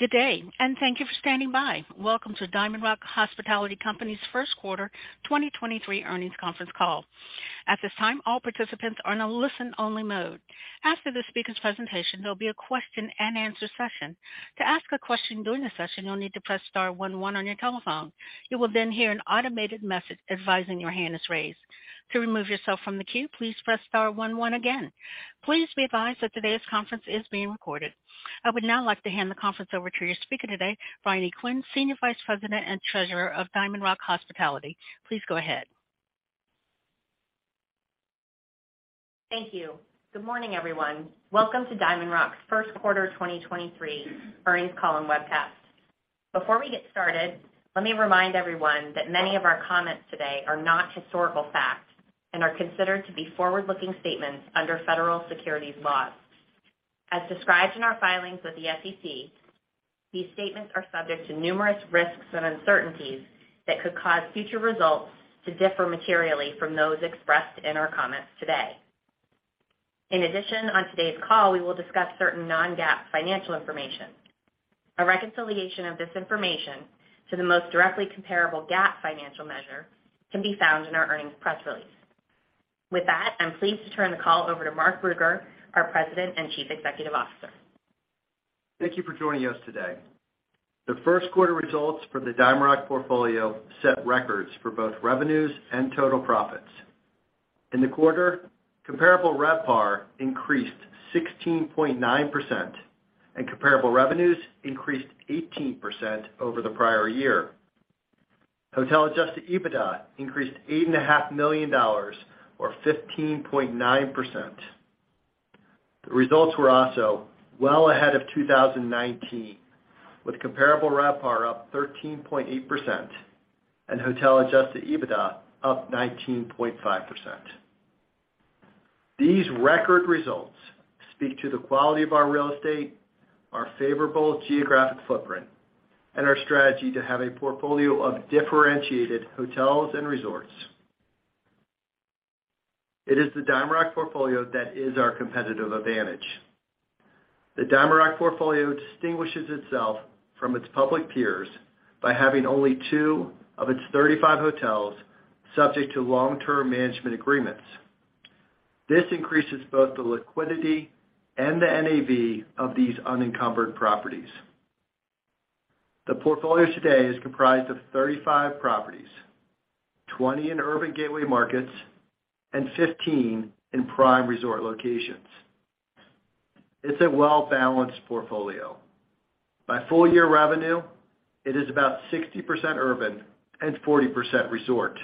Good day, and thank you for standing by. Welcome to DiamondRock Hospitality Company's First Quarter 2023 Earnings Conference Call. At this time, all participants are in a listen-only mode. After the speaker's presentation, there'll be a question-and-answer session. To ask a question during the session, you'll need to press star one one on your telephone. You will then hear an automated message advising your hand is raised. To remove yourself from the queue, please press star one one again. Please be advised that today's conference is being recorded. I would now like to hand the conference over to your speaker today, Briony Quinn, Senior Vice President and Treasurer of DiamondRock Hospitality. Please go ahead. Thank you. Good morning, everyone. Welcome to DiamondRock's First Quarter 2023 Earnings Call and Webcast. Before we get started, let me remind everyone that many of our comments today are not historical facts and are considered to be forward-looking statements under federal securities laws. As described in our filings with the SEC, these statements are subject to numerous risks and uncertainties that could cause future results to differ materially from those expressed in our comments today. In addition, on today's call, we will discuss certain non-GAAP financial information. A reconciliation of this information to the most directly comparable GAAP financial measure can be found in our earnings press release. With that, I'm pleased to turn the call over to Mark Brugger, our President and Chief Executive Officer. Thank you for joining us today. The first quarter results for the DiamondRock portfolio set records for both revenues and total profits. In the quarter, comparable RevPAR increased 16.9%, and comparable revenues increased 18% over the prior year. Hotel adjusted EBITDA increased $8.5 million or 15.9%. The results were also well ahead of 2019, with comparable RevPAR up 13.8% and hotel adjusted EBITDA up 19.5%. These record results speak to the quality of our real estate, our favorable geographic footprint, and our strategy to have a portfolio of differentiated hotels and resorts. It is the DiamondRock portfolio that is our competitive advantage. The DiamondRock portfolio distinguishes itself from its public peers by having only two of its 35 hotels subject to long-term management agreements. This increases both the liquidity and the NAV of these unencumbered properties. The portfolio today is comprised of 35 properties, 20 in urban gateway markets and 15 in prime resort locations. It's a well-balanced portfolio. By full-year revenue, it is about 60% urban and 40% resort.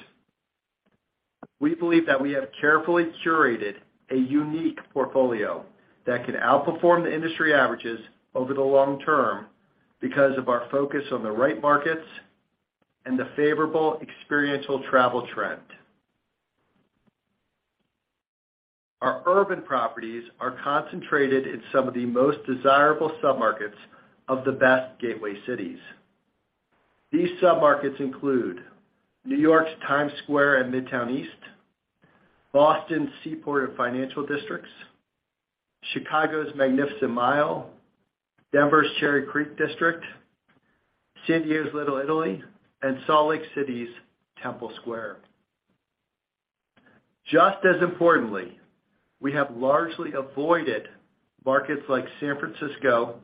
We believe that we have carefully curated a unique portfolio that can outperform the industry averages over the long term because of our focus on the right markets and the favorable experiential travel trend. Our urban properties are concentrated in some of the most desirable submarkets of the best gateway cities. These submarkets include New York's Times Square and Midtown East, Boston's Seaport and Financial Districts, Chicago's Magnificent Mile, Denver's Cherry Creek District, San Diego's Little Italy, and Salt Lake City's Temple Square. Just as importantly, we have largely avoided markets like San Francisco,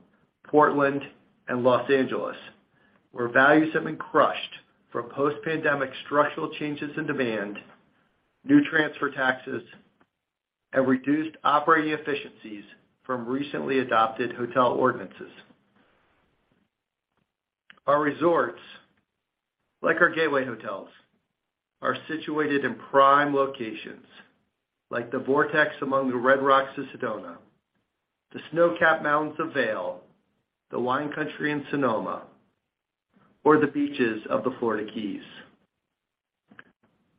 Portland, and Los Angeles, where values have been crushed from post-pandemic structural changes in demand, new transfer taxes, and reduced operating efficiencies from recently adopted hotel ordinances. Our resorts, like our gateway hotels, are situated in prime locations, like the vortex among the red rocks of Sedona, the snow-capped mountains of Vail, the wine country in Sonoma, or the beaches of the Florida Keys.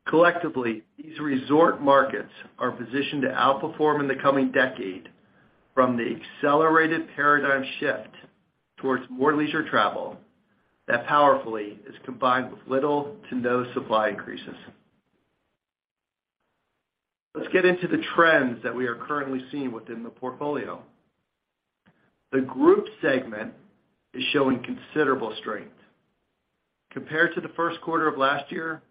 Collectively, these resort markets are positioned to outperform in the coming decade from the accelerated paradigm shift towards more leisure travel that powerfully is combined with little to no supply increases. Let's get into the trends that we are currently seeing within the portfolio. The group segment is showing considerable strength. Compared to the first quarter of last year,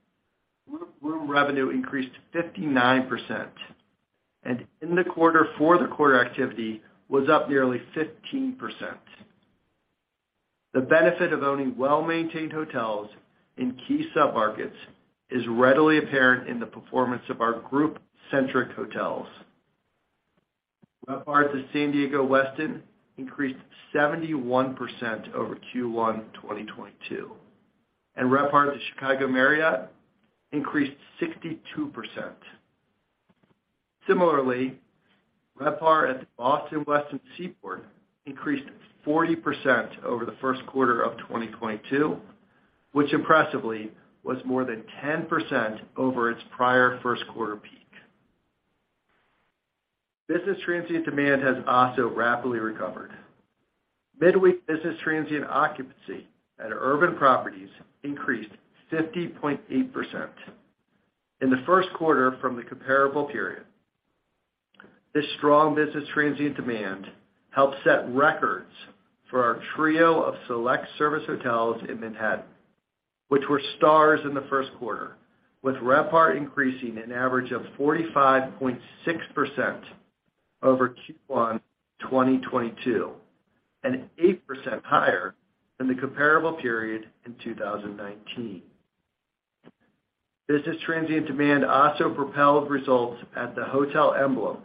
group room revenue increased 59%, and in the quarter for the quarter activity was up nearly 15%. The benefit of owning well-maintained hotels in key submarkets is readily apparent in the performance of our group-centric hotels. RevPAR at the San Diego Westin increased 71% over Q1 2022, and RevPAR at the Chicago Marriott increased 62%. Similarly, RevPAR at the Boston Westin Seaport increased 40% over the first quarter of 2022, which impressively was more than 10% over its prior first quarter peak. Business transient demand has also rapidly recovered. Midweek business transient occupancy at our urban properties increased 50.8% in the first quarter from the comparable period. This strong business transient demand helped set records for our trio of select service hotels in Manhattan, which were stars in the first quarter, with RevPAR increasing an average of 45.6% over Q1 2022, and 8% higher than the comparable period in 2019. Business transient demand also propelled results at the Hotel Emblem,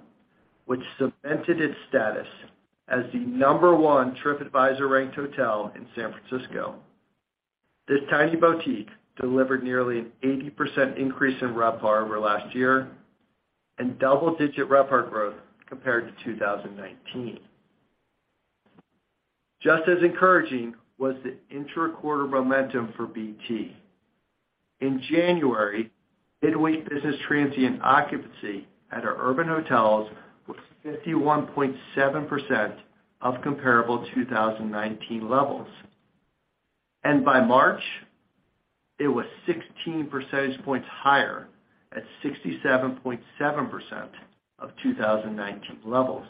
which cemented its status as the number one TripAdvisor ranked hotel in San Francisco. This tiny boutique delivered nearly an 80% increase in RevPAR over last year and double-digit RevPAR growth compared to 2019. Just as encouraging was the intra-quarter momentum for BT. In January, midweek business transient occupancy at our urban hotels was 51.7% of comparable 2019 levels. By March, it was 16 percentage points higher at 67.7% of 2019 levels.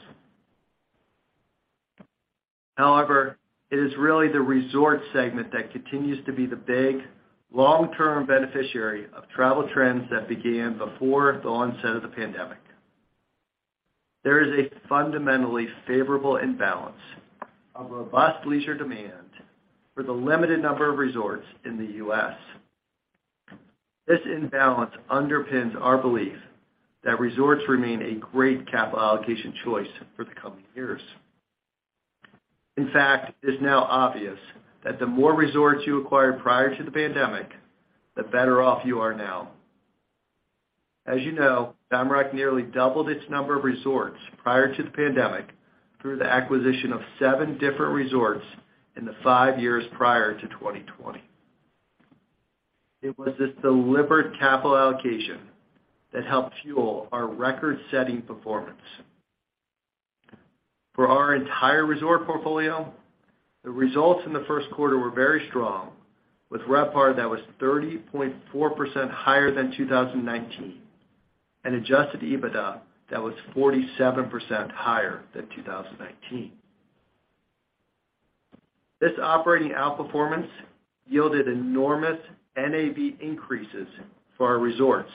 However, it is really the resort segment that continues to be the big, long-term beneficiary of travel trends that began before the onset of the pandemic. There is a fundamentally favorable imbalance of robust leisure demand for the limited number of resorts in the U.S. This imbalance underpins our belief that resorts remain a great capital allocation choice for the coming years. In fact, it is now obvious that the more resorts you acquired prior to the pandemic, the better off you are now. As you know, DiamondRock nearly doubled its number of resorts prior to the pandemic through the acquisition of seven different resorts in the five years prior to 2020. It was this deliberate capital allocation that helped fuel our record-setting performance. For our entire resort portfolio, the results in the first quarter were very strong, with RevPAR that was 30.4% higher than 2019 and adjusted EBITDA that was 47% higher than 2019. This operating outperformance yielded enormous NAV increases for our resorts,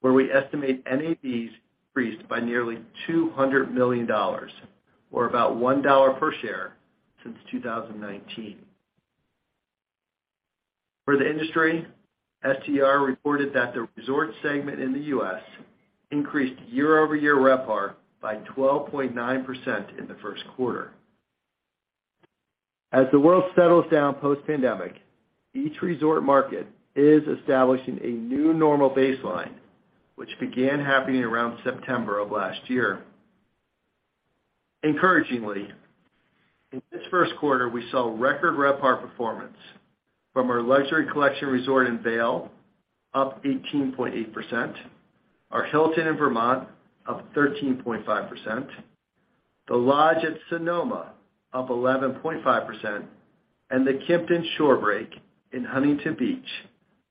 where we estimate NAVs increased by nearly $200 million, or about $1 per share since 2019. For the industry, STR reported that the resort segment in the US increased year-over-year RevPAR by 12.9% in the first quarter. As the world settles down post-pandemic, each resort market is establishing a new normal baseline, which began happening around September of last year. Encouragingly, in this first quarter, we saw record RevPAR performance from our Luxury Collection resort in Vail, up 18.8%, our Hilton in Vermont, up 13.5%, The Lodge at Sonoma, up 11.5%, and the Kimpton Shorebreak in Huntington Beach,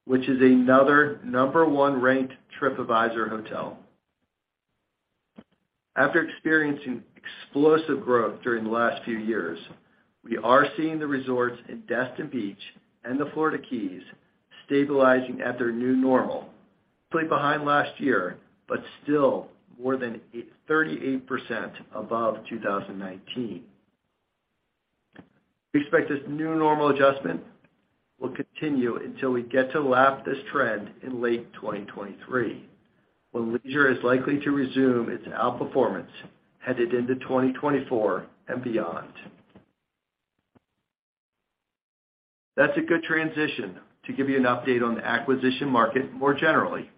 which is another number one ranked Tripadvisor hotel. After experiencing explosive growth during the last few years, we are seeing the resorts in Destin Beach and the Florida Keys stabilizing at their new normal, slightly behind last year, but still more than 38% above 2019. We expect this new normal adjustment will continue until we get to lap this trend in late 2023, when leisure is likely to resume its outperformance headed into 2024 and beyond. That's a good transition to give you an update on the acquisition market more generally.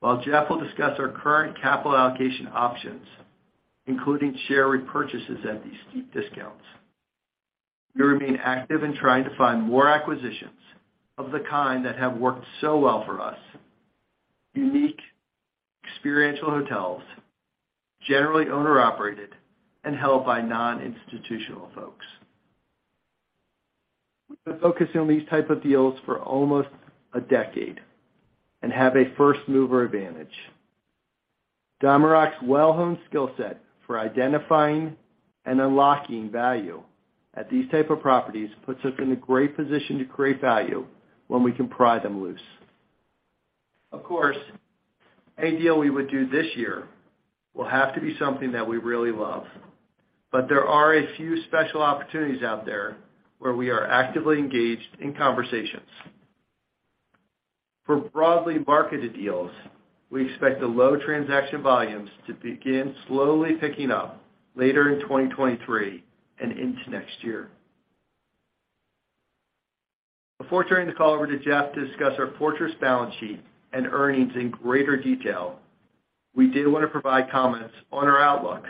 While Jeff will discuss our current capital allocation options, including share repurchases at these steep discounts, we remain active in trying to find more acquisitions of the kind that have worked so well for us, unique experiential hotels, generally owner-operated, and held by non-institutional folks. We've been focusing on these type of deals for almost a decade and have a first-mover advantage. DiamondRock's well-honed skill set for identifying and unlocking value at these type of properties puts us in a great position to create value when we can pry them loose. Of course, any deal we would do this year will have to be something that we really love, but there are a few special opportunities out there where we are actively engaged in conversations. For broadly marketed deals, we expect the low transaction volumes to begin slowly picking up later in 2023 and into next year. Before turning the call over to Jeff to discuss our fortress balance sheet and earnings in greater detail, we did want to provide comments on our outlook.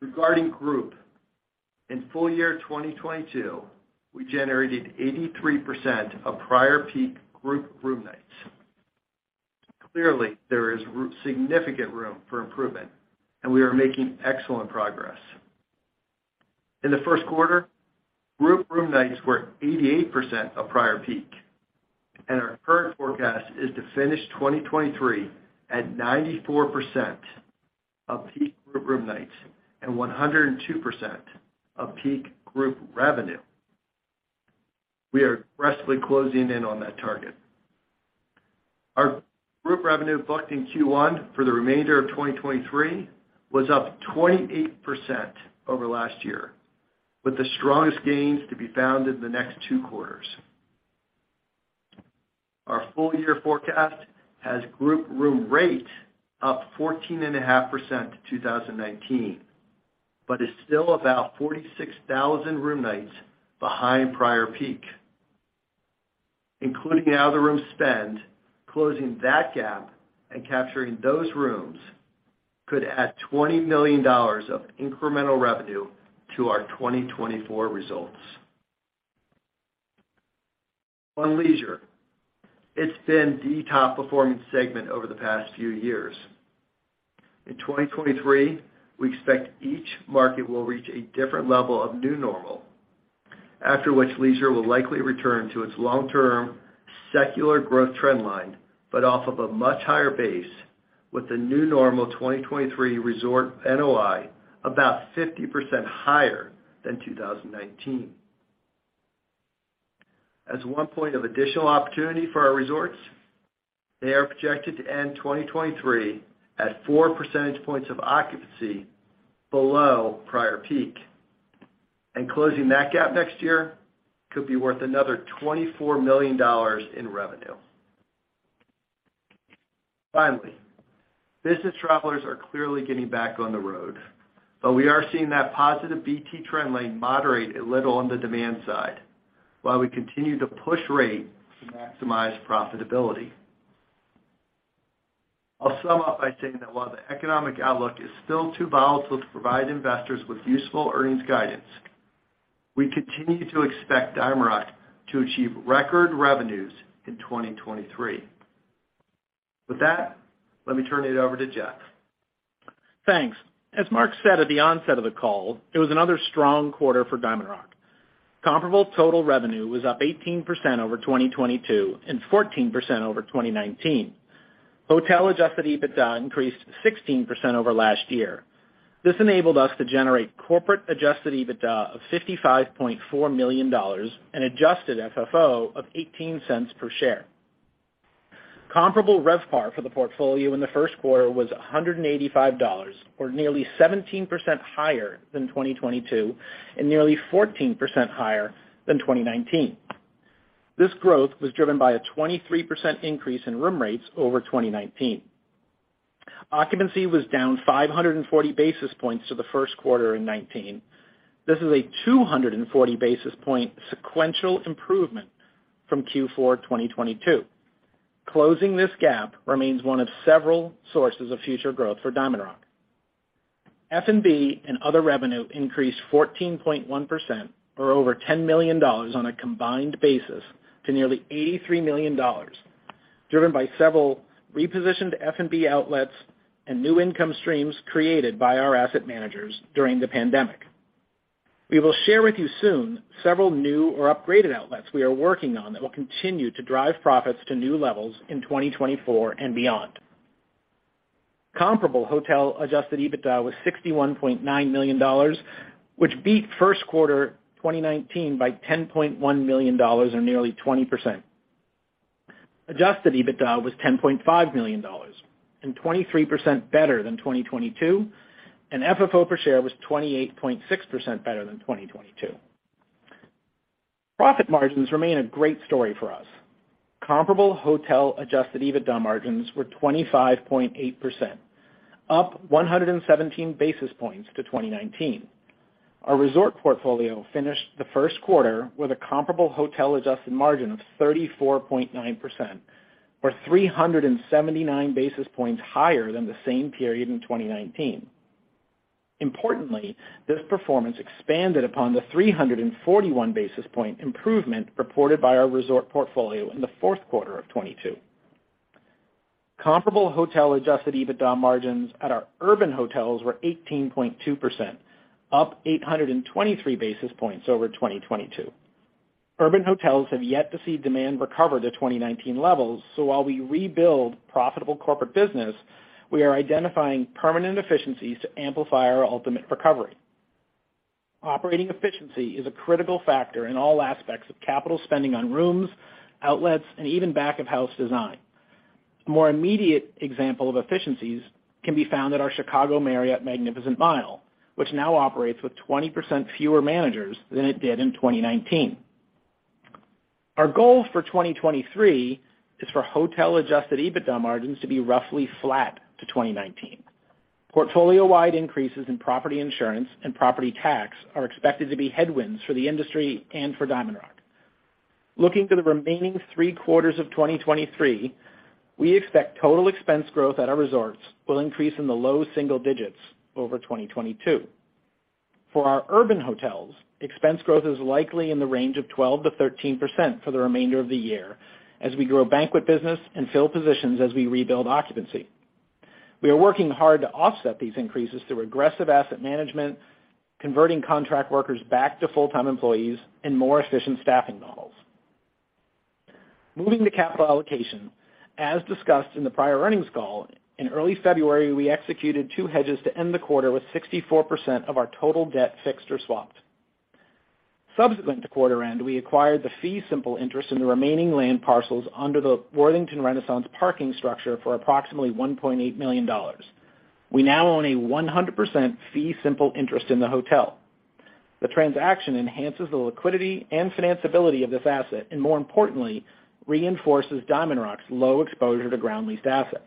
Regarding group, in full year 2022, we generated 83% of prior peak group room nights. Clearly, there is significant room for improvement, and we are making excellent progress. In the first quarter, group room nights were 88% of prior peak, and our current forecast is to finish 2023 at 94% of peak group room nights and 102% of peak group revenue. We are aggressively closing in on that target. Our group revenue booked in Q1 for the remainder of 2023 was up 28% over last year, with the strongest gains to be found in the next two quarters. Our full year forecast has group room rate up 14.5% to 2019, but is still about 46,000 room nights behind prior peak. Including out of the room spend, closing that gap and capturing those rooms could add $20 million of incremental revenue to our 2024 results. On leisure, it's been the top performing segment over the past few years. In 2023, we expect each market will reach a different level of new normal, after which leisure will likely return to its long-term secular growth trend line, but off of a much higher base with the new normal 2023 resort NOI about 50% higher than 2019. As one point of additional opportunity for our resorts, they are projected to end 2023 at 4 percentage points of occupancy below prior peak. Closing that gap next year could be worth another $24 million in revenue. Finally, business travelers are clearly getting back on the road, but we are seeing that positive BT trend line moderate a little on the demand side while we continue to push rate to maximize profitability. I'll sum up by saying that while the economic outlook is still too volatile to provide investors with useful earnings guidance, we continue to expect DiamondRock to achieve record revenues in 2023. With that, let me turn it over to Jeff. Thanks. As Mark said at the onset of the call, it was another strong quarter for DiamondRock. Comparable total revenue was up 18% over 2022 and 14% over 2019. Hotel adjusted EBITDA increased 16% over last year. This enabled us to generate corporate adjusted EBITDA of $55.4 million and adjusted FFO of $0.18 per share. Comparable RevPAR for the portfolio in the first quarter was $185, or nearly 17% higher than 2022 and nearly 14% higher than 2019. This growth was driven by a 23% increase in room rates over 2019. Occupancy was down 540 basis points to the first quarter in 2019. This is a 240 basis point sequential improvement from Q4 2022. Closing this gap remains one of several sources of future growth for DiamondRock. F&B and other revenue increased 14.1% or over $10 million on a combined basis to nearly $83 million, driven by several repositioned F&B outlets and new income streams created by our asset managers during the pandemic. We will share with you soon several new or upgraded outlets we are working on that will continue to drive profits to new levels in 2024 and beyond. Comparable hotel adjusted EBITDA was $61.9 million, which beat first quarter 2019 by $10.1 million or nearly 20%. Adjusted EBITDA was $10.5 million and 23% better than 2022, and FFO per share was 28.6% better than 2022. Profit margins remain a great story for us. Comparable hotel adjusted EBITDA margins were 25.8%, up 117 basis points to 2019. Our resort portfolio finished the first quarter with a comparable hotel adjusted margin of 34.9%, or 379 basis points higher than the same period in 2019. Importantly, this performance expanded upon the 341 basis point improvement reported by our resort portfolio in the fourth quarter of 2022. Comparable hotel adjusted EBITDA margins at our urban hotels were 18.2%, up 823 basis points over 2022. Urban hotels have yet to see demand recover to 2019 levels. While we rebuild profitable corporate business, we are identifying permanent efficiencies to amplify our ultimate recovery. Operating efficiency is a critical factor in all aspects of capital spending on rooms, outlets, and even back-of-house design. A more immediate example of efficiencies can be found at our Chicago Marriott Magnificent Mile, which now operates with 20% fewer managers than it did in 2019. Our goal for 2023 is for hotel adjusted EBITDA margins to be roughly flat to 2019. Portfolio-wide increases in property insurance and property tax are expected to be headwinds for the industry and for DiamondRock. Looking to the remaining three quarters of 2023, we expect total expense growth at our resorts will increase in the low single digits over 2022. For our urban hotels, expense growth is likely in the range of 12%-13% for the remainder of the year as we grow banquet business and fill positions as we rebuild occupancy. We are working hard to offset these increases through aggressive asset management, converting contract workers back to full-time employees, and more efficient staffing models. Moving to capital allocation. As discussed in the prior earnings call, in early February, we executed two hedges to end the quarter with 64% of our total debt fixed or swapped. Subsequent to quarter end, we acquired the fee simple interest in the remaining land parcels under The Worthington Renaissance parking structure for approximately $1.8 million. We now own a 100% fee simple interest in the hotel. The transaction enhances the liquidity and financeability of this asset, more importantly, reinforces DiamondRock's low exposure to ground leased assets.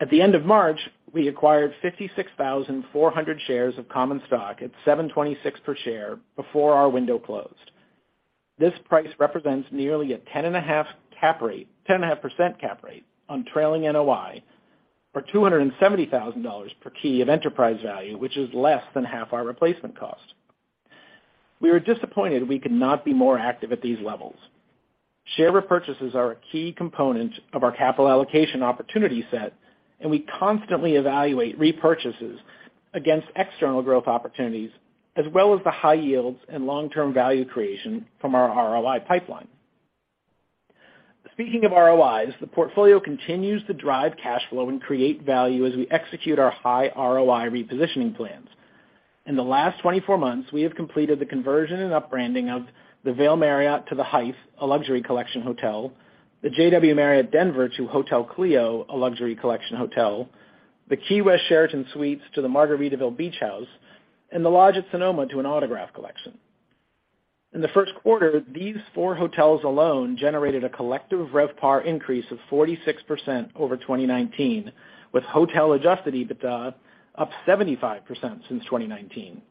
At the end of March, we acquired 56,400 shares of common stock at $7.26 per share before our window closed. This price represents nearly a 10.5 cap rate, 10.5% cap rate on trailing NOI, or $270,000 per key of enterprise value, which is less than half our replacement cost. We were disappointed we could not be more active at these levels. Share repurchases are a key component of our capital allocation opportunity set, and we constantly evaluate repurchases against external growth opportunities, as well as the high yields and long-term value creation from our ROI pipeline. Speaking of ROIs, the portfolio continues to drive cash flow and create value as we execute our high ROI repositioning plans. In the last 24 months, we have completed the conversion and upbranding of the Vail Marriott to The Hythe, a Luxury Collection hotel, the JW Marriott Denver to Hotel Clio, a Luxury Collection hotel, the Sheraton Suites Key West to the Margaritaville Beach House, and The Lodge at Sonoma to an Autograph Collection. In the first quarter, these four hotels alone generated a collective RevPAR increase of 46% over 2019, with hotel-adjusted EBITDA up 75% since 2019.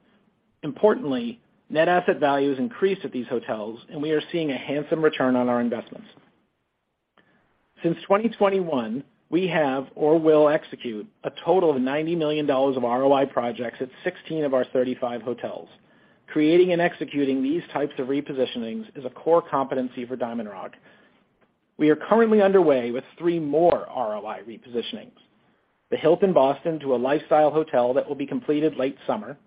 Importantly, net asset values increased at these hotels, and we are seeing a handsome return on our investments. Since 2021, we have or will execute a total of $90 million of ROI projects at 16 of our 35 hotels. Creating and executing these types of repositionings is a core competency for DiamondRock. We are currently underway with three more ROI repositionings: The Hilton Boston to a lifestyle hotel that will be completed late summer,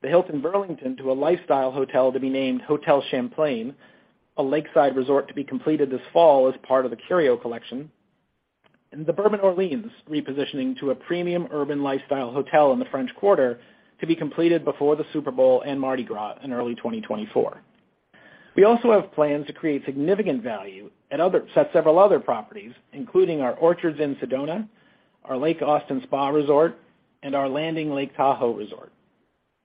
the Hilton Burlington to a lifestyle hotel to be named Hotel Champlain, a lakeside resort to be completed this fall as part of the Curio Collection, and The Bourbon Orleans repositioning to a premium urban lifestyle hotel in the French Quarter to be completed before the Super Bowl and Mardi Gras in early 2024. We also have plans to create significant value at several other properties, including our Orchards in Sedona, our Lake Austin Spa Resort, and our Landing Lake Tahoe Resort.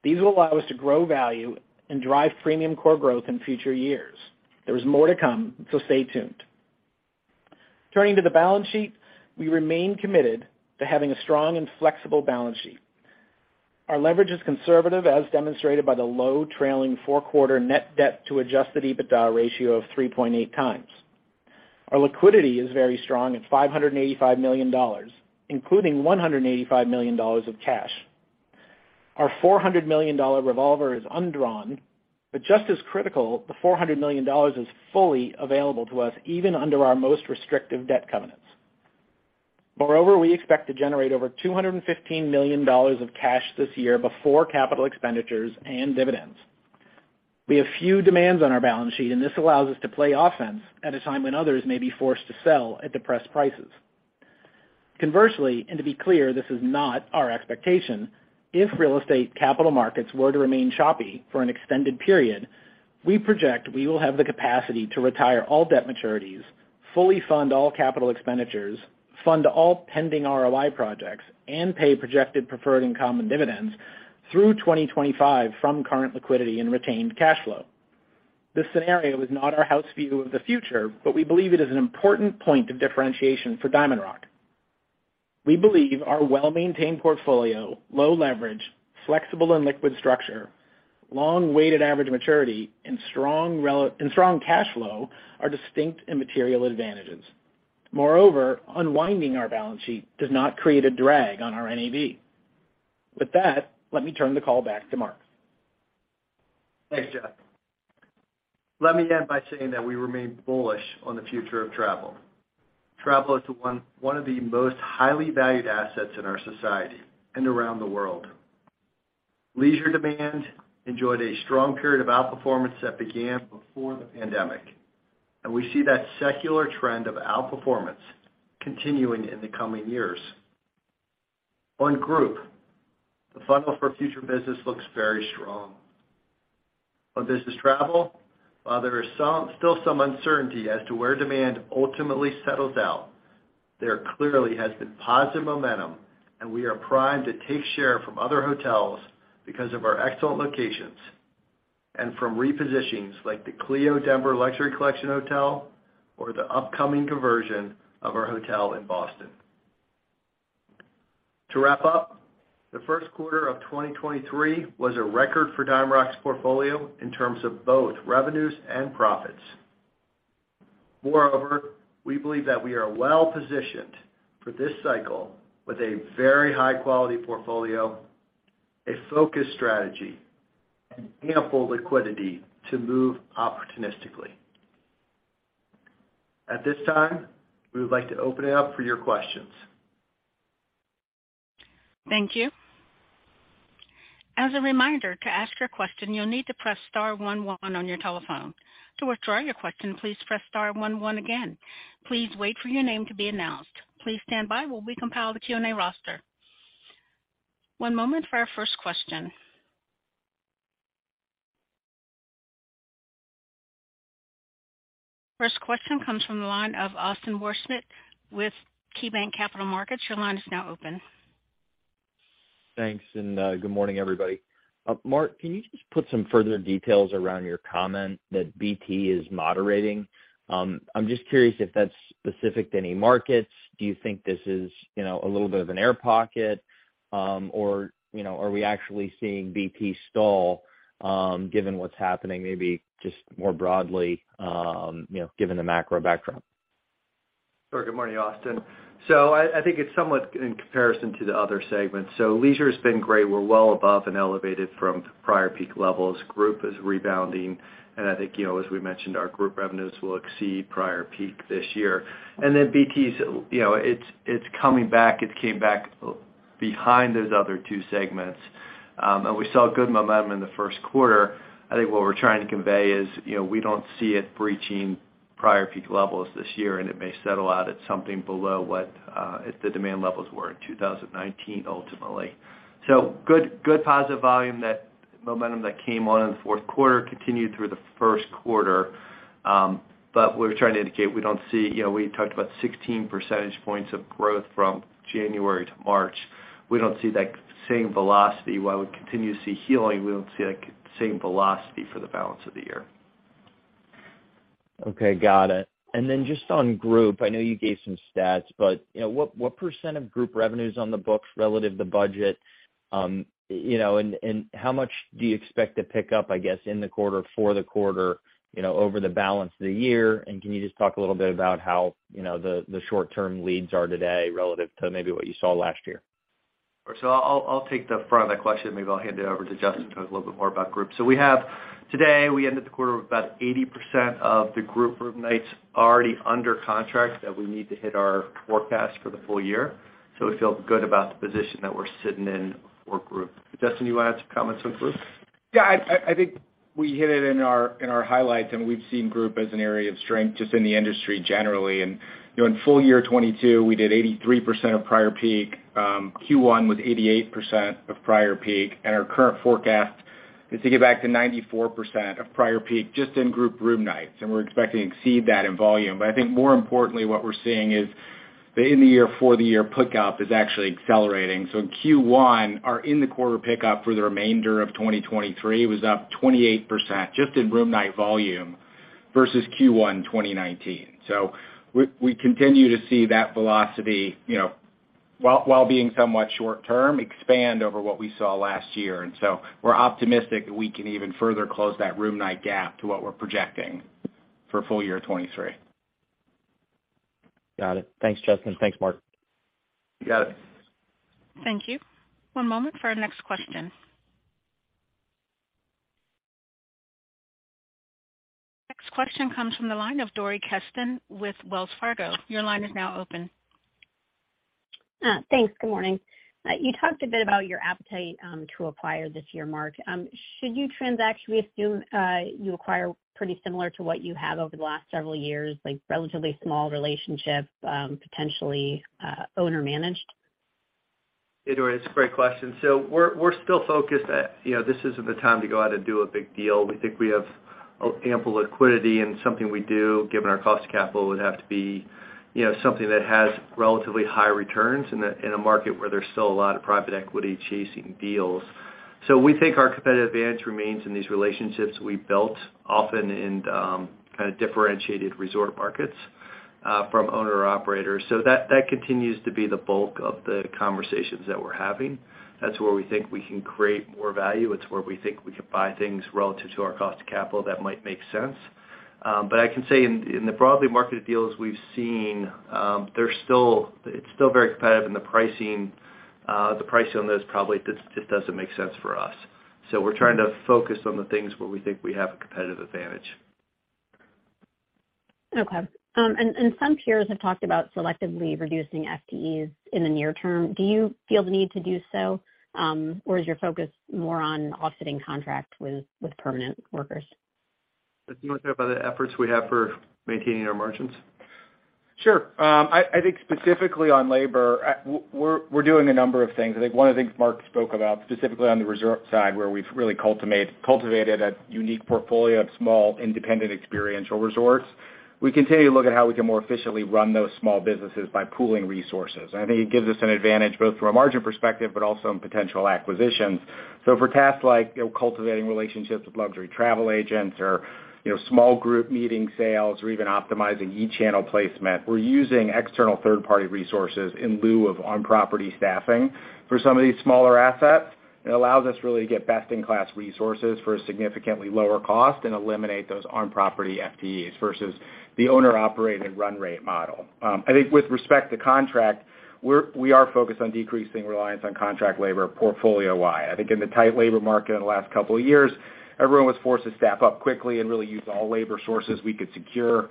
These will allow us to grow value and drive premium core growth in future years. There is more to come, stay tuned. Turning to the balance sheet, we remain committed to having a strong and flexible balance sheet. Our leverage is conservative, as demonstrated by the low trailing four-quarter Net Debt to Adjusted EBITDA ratio of 3.8x. Our liquidity is very strong at $585 million, including $185 million of cash. Our $400 million revolver is undrawn, but just as critical, the $400 million is fully available to us even under our most restrictive debt covenants. Moreover, we expect to generate over $215 million of cash this year before capital expenditures and dividends. We have few demands on our balance sheet, and this allows us to play offense at a time when others may be forced to sell at depressed prices. Conversely, to be clear, this is not our expectation, if real estate capital markets were to remain choppy for an extended period, we project we will have the capacity to retire all debt maturities, fully fund all capital expenditures, fund all pending ROI projects, and pay projected preferred and common dividends through 2025 from current liquidity and retained cash flow. This scenario is not our house view of the future, we believe it is an important point of differentiation for DiamondRock. We believe our well-maintained portfolio, low leverage, flexible and liquid structure, long weighted average maturity, and strong cash flow are distinct and material advantages. Moreover, unwinding our balance sheet does not create a drag on our NAV. With that, let me turn the call back to Mark. Thanks, Jeff. Let me end by saying that we remain bullish on the future of travel. Travel is one of the most highly valued assets in our society and around the world. Leisure demand enjoyed a strong period of outperformance that began before the pandemic. We see that secular trend of outperformance continuing in the coming years. On group, the funnel for future business looks very strong. On business travel, while there is still some uncertainty as to where demand ultimately settles out, there clearly has been positive momentum. We are primed to take share from other hotels because of our excellent locations and from repositionings like the Hotel Clio Denver Luxury Collection Hotel or the upcoming conversion of our hotel in Boston. To wrap up, the first quarter of 2023 was a record for DiamondRock's portfolio in terms of both revenues and profits. We believe that we are well-positioned for this cycle with a very high-quality portfolio, a focused strategy, and ample liquidity to move opportunistically. At this time, we would like to open it up for your questions. Thank you. As a reminder, to ask your question, you'll need to press star one one on your telephone. To withdraw your question, please press star one one again. Please wait for your name to be announced. Please stand by while we compile the Q&A roster. One moment for our first question. First question comes from the line of Austin Wurschmidt with KeyBanc Capital Markets. Your line is now open. Thanks. Good morning, everybody. Mark, can you just put some further details around your comment that BT is moderating? I'm just curious if that's specific to any markets. Do you think this is, you know, a little bit of an air pocket, or, you know, are we actually seeing BT stall, given what's happening maybe just more broadly, you know, given the macro backdrop? Sure. Good morning, Austin. I think it's somewhat in comparison to the other segments. Leisure has been great. We're well above and elevated from prior peak levels. Group is rebounding, and I think, you know, as we mentioned, our group revenues will exceed prior peak this year. Then BT's, you know, it's coming back. It came back behind those other two segments, and we saw good momentum in the first quarter. I think what we're trying to convey is, you know, we don't see it breaching prior peak levels this year, and it may settle out at something below what the demand levels were in 2019 ultimately. Good, good positive volume momentum that came on in the fourth quarter continued through the first quarter. We're trying to indicate we don't see. You know, we talked about 16 percentage points of growth from January to March. We don't see that same velocity. While we continue to see healing, we don't see that same velocity for the balance of the year. Okay, got it. Just on group, I know you gave some stats, but, you know, what percent of group revenue's on the books relative to budget? You know, how much do you expect to pick up, I guess, in the quarter, for the quarter, you know, over the balance of the year? Can you just talk a little bit about how, you know, the short-term leads are today relative to maybe what you saw last year? I'll take the front of that question, maybe I'll hand it over to Justin to talk a little bit more about group. We have today, we ended the quarter with about 80% of the group room nights already under contract that we need to hit our forecast for the full year. We feel good about the position that we're sitting in for group. Justin, you wanna add some comments on group? Yeah. I think we hit it in our, in our highlights. We've seen group as an area of strength just in the industry generally. You know, in full year 2022, we did 83% of prior peak. Q1 was 88% of prior peak. Our current forecast is to get back to 94% of prior peak just in group room nights, and we're expecting to exceed that in volume. I think more importantly what we're seeing is the in the year for the year pickup is actually accelerating. In Q1, our in the quarter pickup for the remainder of 2023 was up 28% just in room night volume versus Q1 2019. We continue to see that velocity, you know, while being somewhat short term, expand over what we saw last year. We're optimistic that we can even further close that room night gap to what we're projecting for full year 2023. Got it. Thanks, Justin. Thanks, Mark. You got it. Thank you. One moment for our next question. Next question comes from the line of Dori Kesten with Wells Fargo. Your line is now open. Thanks. Good morning. You talked a bit about your appetite to acquire this year, Mark. Should you transact, should we assume you acquire pretty similar to what you have over the last several years, like relatively small relationships, potentially owner managed? Hey, Dori, it's a great question. we're still focused at, you know, this isn't the time to go out and do a big deal. We think we have ample liquidity and something we do, given our cost of capital, would have to be, you know, something that has relatively high returns in a market where there's still a lot of private equity chasing deals. We think our competitive advantage remains in these relationships we've built often in, kinda differentiated resort markets, from owner operators. That continues to be the bulk of the conversations that we're having. That's where we think we can create more value. It's where we think we can buy things relative to our cost of capital that might make sense. I can say in the broadly marketed deals we've seen, it's still very competitive, and the pricing, the pricing on those probably just doesn't make sense for us. We're trying to focus on the things where we think we have a competitive advantage. Okay. And some peers have talked about selectively reducing FTEs in the near term. Do you feel the need to do so, or is your focus more on offsetting contract with permanent workers? Justin, you wanna talk about the efforts we have for maintaining our margins? Sure. I think specifically on labor, we're doing a number of things. I think one of the things Mark spoke about, specifically on the resort side, where we've really cultivated a unique portfolio of small, independent, experiential resorts. We continue to look at how we can more efficiently run those small businesses by pooling resources. I think it gives us an advantage both from a margin perspective, but also in potential acquisitions. For tasks like, you know, cultivating relationships with luxury travel agents or, you know, small group meeting sales or even optimizing e-channel placement, we're using external third-party resources in lieu of on-property staffing for some of these smaller assets. It allows us really to get best-in-class resources for a significantly lower cost and eliminate those on-property FTEs versus the owner-operated run rate model. I think with respect to contract We are focused on decreasing reliance on contract labor portfolio-wide. I think in the tight labor market in the last couple of years, everyone was forced to staff up quickly and really use all labor sources we could secure.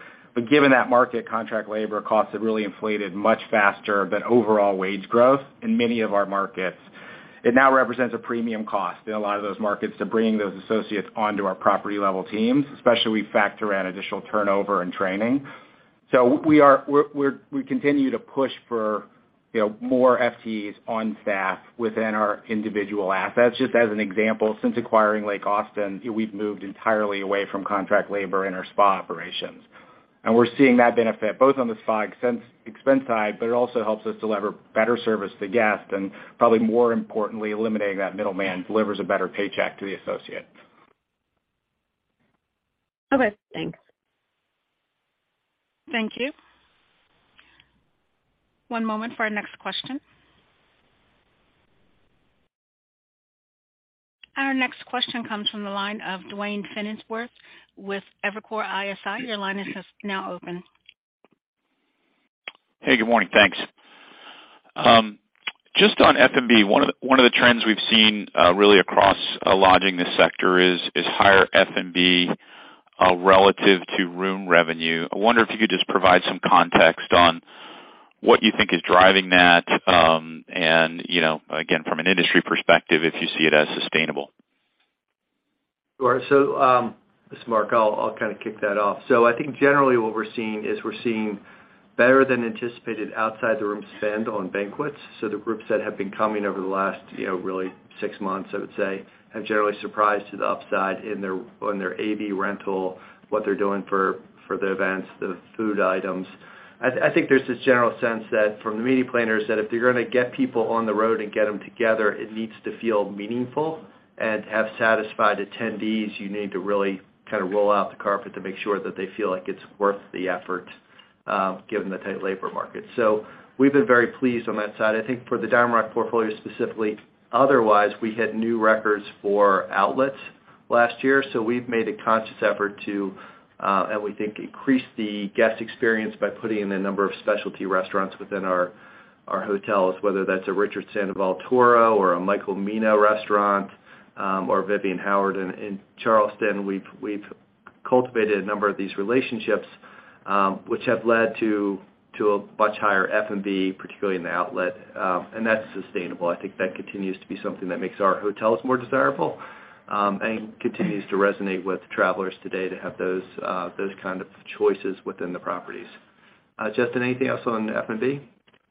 Given that market, contract labor costs have really inflated much faster than overall wage growth in many of our markets. It now represents a premium cost in a lot of those markets to bring those associates onto our property-level teams, especially we factor in additional turnover and training. We continue to push for, you know, more FTEs on staff within our individual assets. Just as an example, since acquiring Lake Austin, we've moved entirely away from contract labor in our spa operations. We're seeing that benefit both on the spa expense side, but it also helps us deliver better service to guests, and probably more importantly, eliminating that middleman delivers a better paycheck to the associate. Okay, thanks. Thank you. One moment for our next question. Our next question comes from the line of Duane Pfennigwerth with Evercore ISI. Your line is now open. Hey, good morning, thanks. Just on F&B, one of the trends we've seen, really across lodging this sector is higher F&B, relative to room revenue. I wonder if you could just provide some context on what you think is driving that, and, you know, again, from an industry perspective, if you see it as sustainable? Sure. This is Mark, I'll kind of kick that off. I think generally what we're seeing is we're seeing better than anticipated outside the room spend on banquets. The groups that have been coming over the last, you know, really six months, I would say, have generally surprised to the upside on their AV rental, what they're doing for the events, the food items. I think there's this general sense that from the meeting planners that if they're gonna get people on the road and get them together, it needs to feel meaningful and to have satisfied attendees, you need to really kind of roll out the carpet to make sure that they feel like it's worth the effort, given the tight labor market. We've been very pleased on that side. I think for the DiamondRock portfolio, specifically, otherwise, we had new records for outlets last year, so we've made a conscious effort to, and we think, increase the guest experience by putting in a number of specialty restaurants within our hotels, whether that's a Richard Sandoval Toro or a Michael Mina restaurant, or Vivian Howard in Charleston. We've cultivated a number of these relationships, which have led to a much higher F&B, particularly in the outlet, and that's sustainable. I think that continues to be something that makes our hotels more desirable, and continues to resonate with travelers today to have those kind of choices within the properties. Justin, anything else on F&B? Well,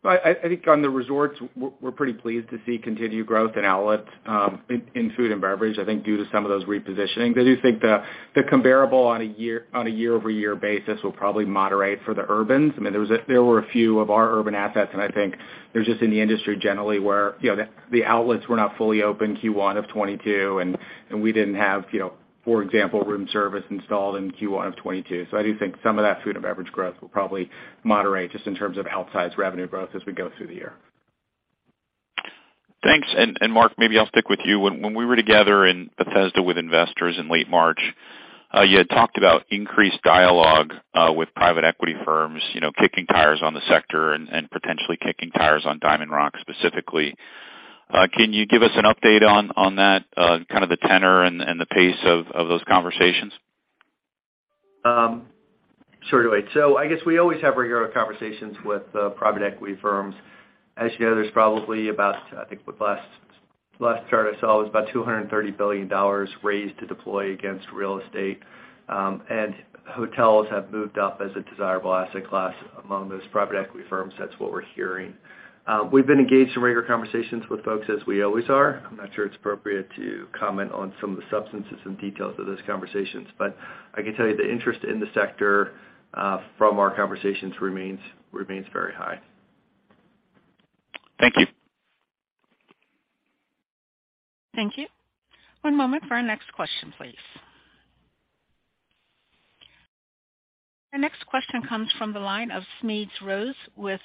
I think on the resorts, we're pretty pleased to see continued growth in outlets, in food and beverage, I think due to some of those repositioning. I do think the comparable on a year-over-year basis will probably moderate for the urbans. I mean, there were a few of our urban assets, and I think they're just in the industry generally, where, you know, the outlets were not fully open Q1 of 2022, and we didn't have, you know, for example, room service installed in Q1 of 2022. I do think some of that food and beverage growth will probably moderate just in terms of outsized revenue growth as we go through the year. Thanks. Mark, maybe I'll stick with you. When we were together in Bethesda with investors in late March, you had talked about increased dialogue with private equity firms, you know, kicking tires on the sector and potentially kicking tires on DiamondRock specifically. Can you give us an update on that kind of the tenor and the pace of those conversations? Sure, Duane. I guess we always have regular conversations with private equity firms. You know, there's probably about, I think the last chart I saw was about $230 billion raised to deploy against real estate, and hotels have moved up as a desirable asset class among those private equity firms. That's what we're hearing. We've been engaged in regular conversations with folks as we always are. I'm not sure it's appropriate to comment on some of the substances and details of those conversations, but I can tell you the interest in the sector from our conversations remains very high. Thank you. Thank you. One moment for our next question, please. Our next question comes from the line of Smedes Rose with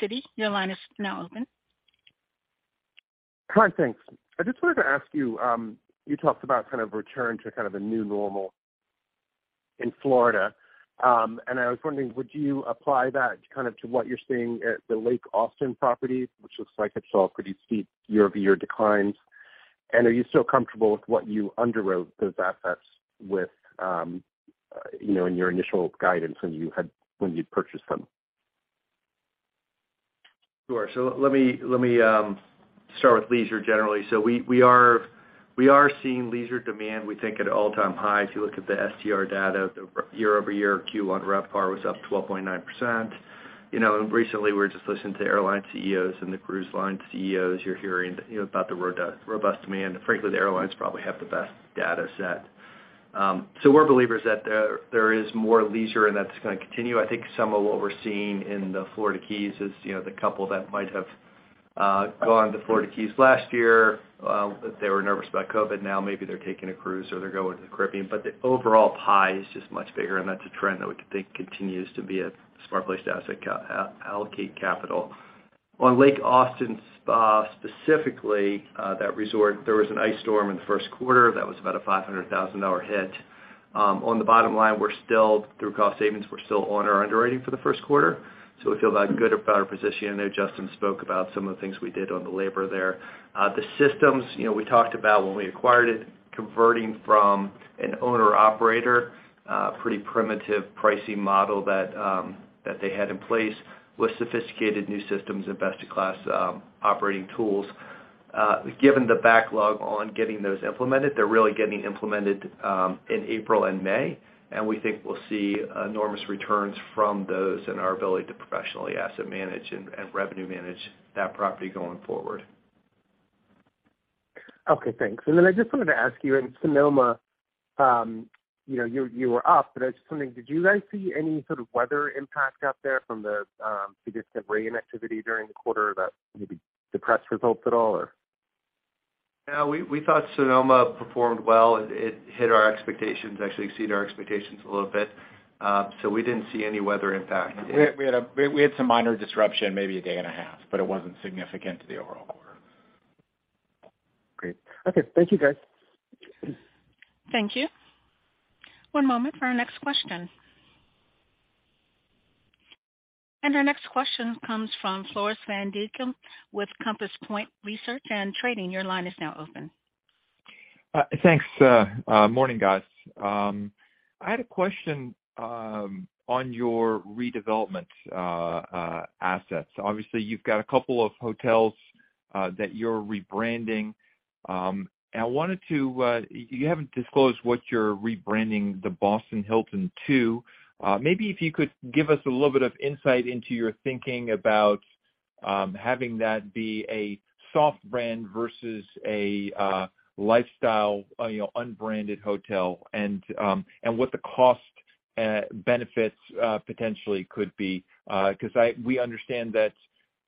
Citi. Your line is now open. Hi, thanks. I just wanted to ask you talked about kind of return to kind of a new normal in Florida. I was wondering, would you apply that kind of to what you're seeing at the Lake Austin property, which looks like it saw pretty steep year-over-year declines? Are you still comfortable with what you underwrote those assets with, you know, in your initial guidance when you'd purchased them? Sure. Let me start with leisure generally. We are seeing leisure demand, we think, at all-time highs. If you look at the STR data, the year-over-year Q1 RevPAR was up 12.9%. You know, recently, we were just listening to airline CEOs and the cruise line CEOs. You're hearing, you know, about the robust demand. Frankly, the airlines probably have the best data set. We're believers that there is more leisure and that's gonna continue. I think some of what we're seeing in the Florida Keys is, you know, the couple that might have gone to Florida Keys last year, they were nervous about COVID. Now maybe they're taking a cruise or they're going to the Caribbean. The overall pie is just much bigger, and that's a trend that we think continues to be a smart place to asset allocate capital. On Lake Austin Spa specifically, that resort, there was an ice storm in the first quarter that was about a $500,000 hit. On the bottom line, we're still, through cost savings, we're still on our underwriting for the first quarter, so we feel that good about our position. I know Justin spoke about some of the things we did on the labor there. The systems, you know, we talked about when we acquired it, converting from an owner operator, pretty primitive pricing model that they had in place with sophisticated new systems and best-in-class operating tools. Given the backlog on getting those implemented, they're really getting implemented in April and May, and we think we'll see enormous returns from those and our ability to professionally asset manage and revenue manage that property going forward. Okay, thanks. I just wanted to ask you, in Sonoma, you know, you were up, but I was just wondering, did you guys see any sort of weather impact out there from the significant rain activity during the quarter that maybe depressed results at all, or? We thought Sonoma performed well. It hit our expectations, actually exceeded our expectations a little bit. We didn't see any weather impact. We had some minor disruption, maybe a day and a half, but it wasn't significant to the overall quarter. Great. Okay. Thank you, guys. Thank you. One moment for our next question. Our next question comes from Floris van Dijkum with Compass Point Research & Trading. Your line is now open. Thanks. Morning, guys. I had a question on your redevelopment assets. Obviously, you've got a couple of hotels that you're rebranding. I wanted to, you haven't disclosed what you're rebranding the Hilton Boston Downtown/Faneuil Hall to. Maybe if you could give us a little bit of insight into your thinking about having that be a soft brand versus a lifestyle, you know, unbranded hotel and what the cost benefits potentially could be. We understand that,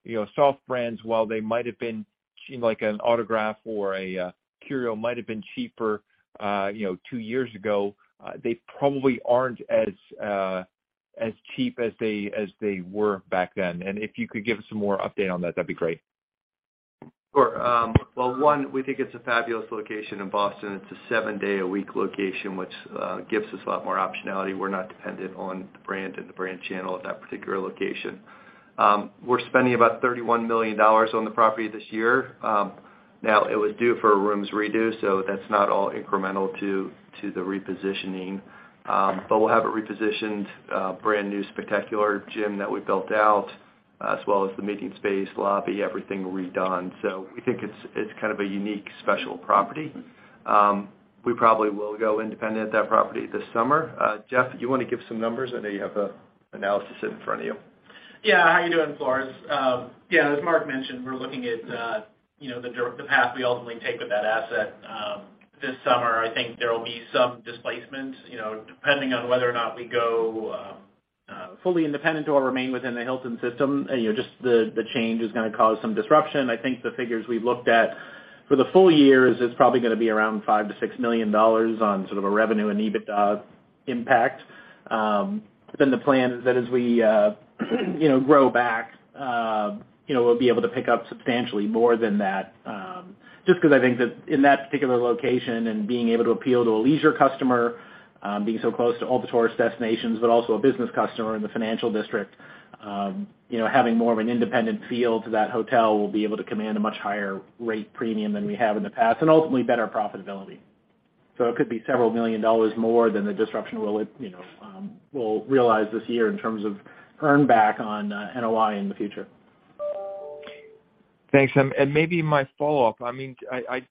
you know, soft brands, while they might have been, seem like an Autograph Collection or a Curio Collection by Hilton, might have been cheaper, you know, two years ago, they probably aren't as cheap as they were back then. If you could give us some more update on that'd be great. Sure. Well, one, we think it's a fabulous location in Boston. It's a seven-day-a-week location, which gives us a lot more optionality. We're not dependent on the brand and the brand channel at that particular location. We're spending about $31 million on the property this year. Now it was due for a rooms redo, so that's not all incremental to the repositioning. But we'll have it repositioned, brand new spectacular gym that we built out, as well as the meeting space, lobby, everything redone. We think it's kind of a unique special property. We probably will go independent at that property this summer. Jeff, you wanna give some numbers? I know you have the analysis in front of you. Yeah. How you doing, Floris? Yeah, as Mark mentioned, we're looking at, you know, the path we ultimately take with that asset this summer. I think there will be some displacement, you know, depending on whether or not we go fully independent or remain within the Hilton system. You know, just the change is gonna cause some disruption. I think the figures we've looked at for the full year is it's probably gonna be around $5 million-$6 million on sort of a revenue and EBITDA impact. The plan is that as we, you know, grow back, you know, we'll be able to pick up substantially more than that, just because I think that in that particular location and being able to appeal to a leisure customer, being so close to all the tourist destinations but also a business customer in the financial district, you know, having more of an independent feel to that hotel, we'll be able to command a much higher rate premium than we have in the past and ultimately better profitability. It could be several million dollars more than the disruption we'll, you know, we'll realize this year in terms of earn back on NOI in the future. Thanks. Maybe my follow-up, I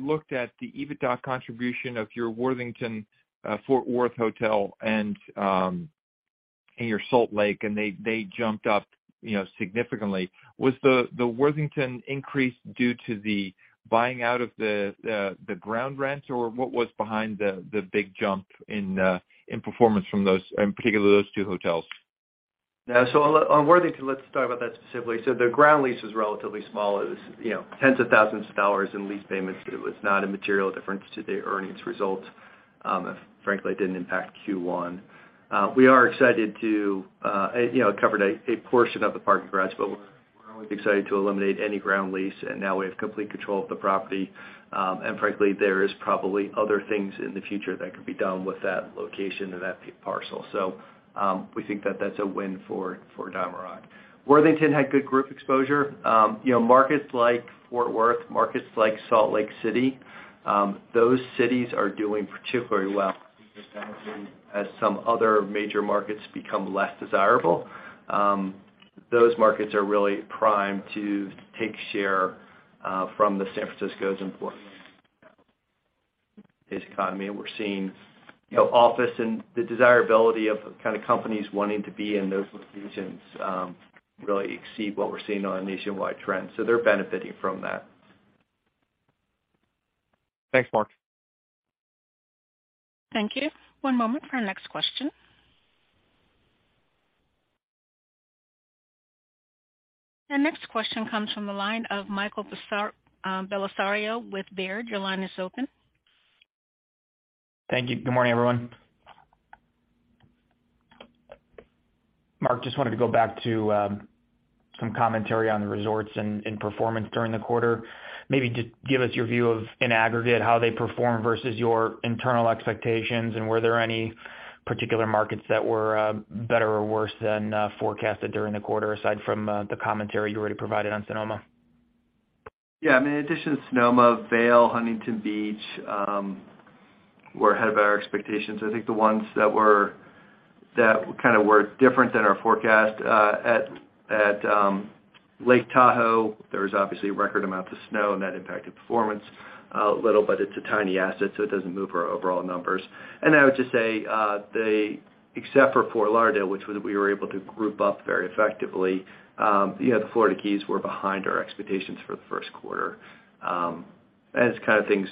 looked at the EBITDA contribution of your Worthington Fort Worth hotel and your Salt Lake, and they jumped up, you know, significantly. Was the Worthington increase due to the buying out of the ground rent, or what was behind the big jump in performance from those, in particular, those two hotels? On Worthington, let's talk about that specifically. The ground lease is relatively small. It was, you know, tens of thousands in lease payments, but it was not a material difference to the earnings results. Frankly, it didn't impact Q1. We are excited to, you know, it covered a portion of the parking garage, but we're always excited to eliminate any ground lease, and now we have complete control of the property. Frankly, there is probably other things in the future that could be done with that location and that parcel. We think that that's a win for DiamondRock. Worthington had good group exposure. You know, markets like Fort Worth, markets like Salt Lake City, those cities are doing particularly well as some other major markets become less desirable. Those markets are really primed to take share from the San Francisco's and economy. We're seeing, you know, office and the desirability of kind of companies wanting to be in those locations really exceed what we're seeing on a nationwide trend. They're benefiting from that. Thanks, Mark. Thank you. One moment for our next question. Our next question comes from the line of Michael Bellisario with Baird. Your line is open. Thank you. Good morning, everyone. Mark, just wanted to go back to some commentary on the resorts and performance during the quarter. Maybe just give us your view of in aggregate how they perform versus your internal expectations, and were there any particular markets that were better or worse than forecasted during the quarter, aside from the commentary you already provided on Sonoma? I mean, in addition to Sonoma, Vail, Huntington Beach, were ahead of our expectations. I think the ones that were, that kind of were different than our forecast, at Lake Tahoe, there was obviously a record amount of snow, and that impacted performance a little, but it's a tiny asset, so it doesn't move our overall numbers. I would just say, except for Fort Lauderdale, which was, we were able to group up very effectively, you know, the Florida Keys were behind our expectations for the first quarter. It's kind of things,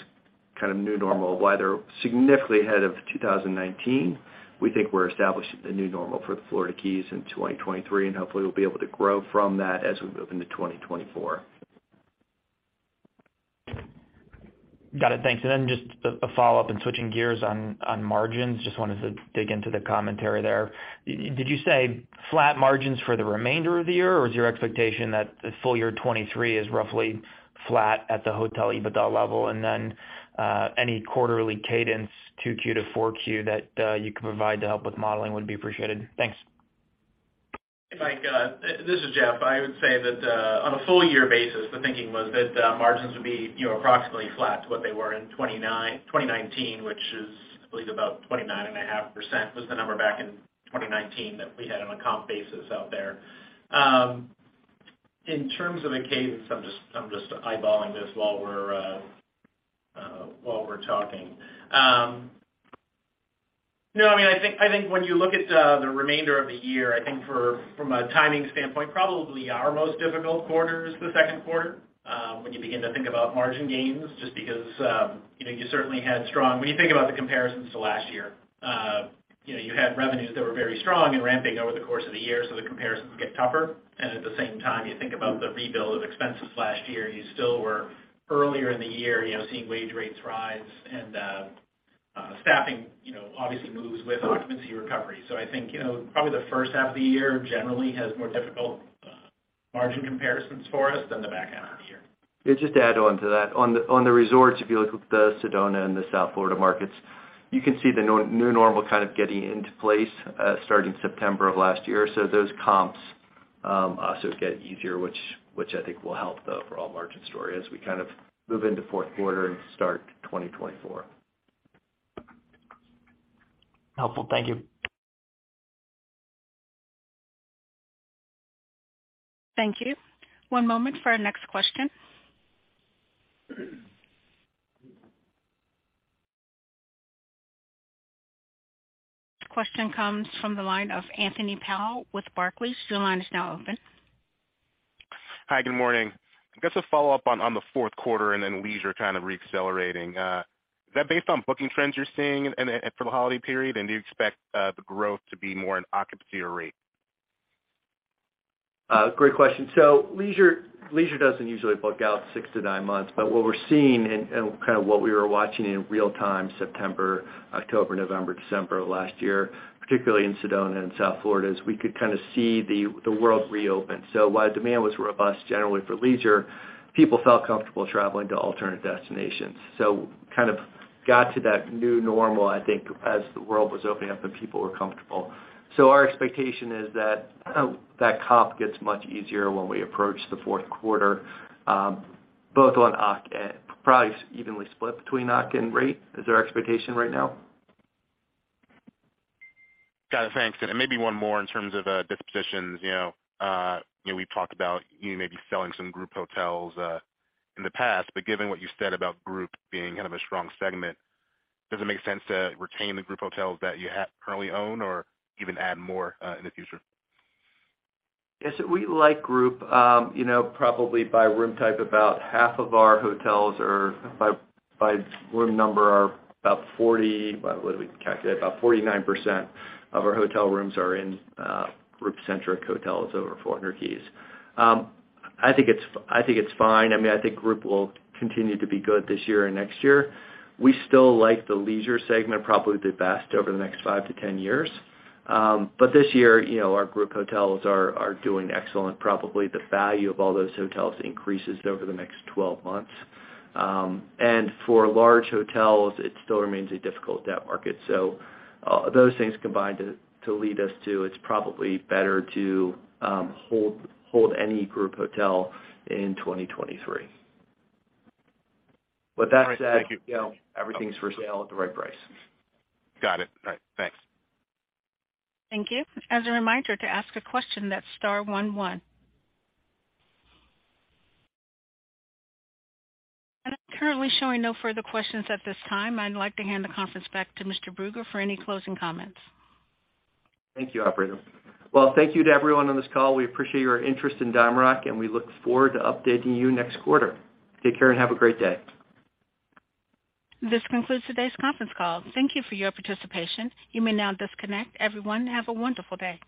kind of new normal, why they're significantly ahead of 2019. We think we're establishing the new normal for the Florida Keys in 2023, and hopefully we'll be able to grow from that as we move into 2024. Got it. Thanks. Then just a follow-up and switching gears on margins. Just wanted to dig into the commentary there. Did you say flat margins for the remainder of the year or is your expectation that the full year 23 is roughly flat at the hotel EBITDA level? Then any quarterly cadence 2Q to 4Q that you can provide to help with modeling would be appreciated. Thanks. Mike, this is Jeff. I would say that on a full year basis, the thinking was that margins would be, you know, approximately flat to what they were in 2019, which is, I believe about 29.5% was the number back in 2019 that we had on a comp basis out there. In terms of the cadence, I'm just eyeballing this while we're while we're talking. No, I mean, I think, I think when you look at the remainder of the year, I think for, from a timing standpoint, probably our most difficult quarter is the second quarter, when you begin to think about margin gains, just because, you know, when you think about the comparisons to last year, you know, you had revenues that were very strong and ramping over the course of the year, so the comparisons get tougher. At the same time, you think about the rebuild of expenses last year, you still were earlier in the year, you know, seeing wage rates rise and staffing, you know, obviously moves with occupancy recovery. I think, you know, probably the first half of the year generally has more difficult margin comparisons for us than the back half of the year. Yeah, just to add on to that. On the resorts, if you look at the Sedona and the South Florida markets, you can see the new normal kind of getting into place, starting September of last year. Those comps also get easier, which I think will help the overall margin story as we kind of move into fourth quarter and start 2024. Helpful. Thank you. Thank you. One moment for our next question. The question comes from the line of Anthony Powell with Barclays. Your line is now open. Hi. Good morning. I've got a follow-up on the fourth quarter and then leisure kind of re-accelerating. Is that based on booking trends you're seeing and for the holiday period, and do you expect the growth to be more in occupancy or rate? Great question. Leisure doesn't usually book out six-nine months, but what we're seeing and kind of what we were watching in real time, September, October, November, December of last year, particularly in Sedona and South Florida, is we could kind of see the world reopen. While demand was robust generally for leisure, people felt comfortable traveling to alternate destinations. Kind of got to that new normal, I think, as the world was opening up and people were comfortable. Our expectation is that that comp gets much easier when we approach the fourth quarter, both on OC, probably evenly split between OC and rate is our expectation right now. Got it. Thanks. Maybe one more in terms of dispositions. You know, you know, we talked about you maybe selling some group hotels in the past, but given what you said about group being kind of a strong segment, does it make sense to retain the group hotels that you currently own or even add more in the future? Yes, we like group. You know, probably by room type, about half of our hotels are by room number, about 49% of our hotel rooms are in group-centric hotels over 400 keys. I think it's fine. I mean, I think group will continue to be good this year and next year. We still like the leisure segment, probably the best over the next five-10 years. This year, you know, our group hotels are doing excellent. Probably the value of all those hotels increases over the next 12 months. For large hotels, it still remains a difficult debt market. Those things combined to lead us to, it's probably better to hold any group hotel in 2023. With that said- All right. Thank you. You know, everything's for sale at the right price. Got it. All right. Thanks. Thank you. As a reminder to ask a question, that's star one one. I'm currently showing no further questions at this time. I'd like to hand the conference back to Mr. Brugger for any closing comments. Thank you, operator. Well, thank you to everyone on this call. We appreciate your interest in DiamondRock, and we look forward to updating you next quarter. Take care and have a great day. This concludes today's conference call. Thank you for your participation. You may now disconnect. Everyone, have a wonderful day.